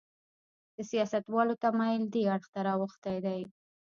د سیاستوالو تمایل دې اړخ ته راوښتی دی.